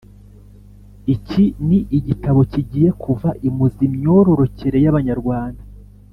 Iki ni igitabo kigiye kuva imuzi imyororokere y’Abanyarwanda